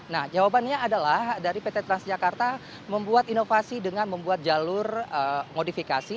nah jawabannya adalah dari pt transjakarta membuat inovasi dengan membuat jalur modifikasi